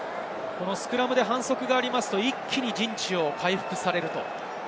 スクラムで反則があると一気に陣地を回復されます。